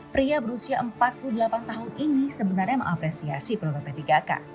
pria berusia empat puluh delapan tahun ini sebenarnya mengapresiasi program p tiga k